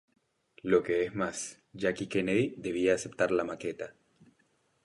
Lo que es más, Jackie Kennedy debía aceptar la maqueta.